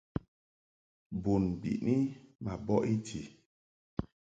Bun biʼni ma bɔʼ i ti.